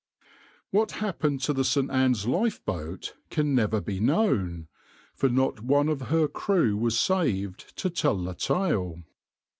\par What happened to the St. Anne's lifeboat can never be known, for not one of her crew was saved to tell the tale.